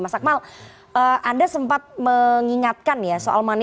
mas akmal anda sempat mengingatkan ya soal money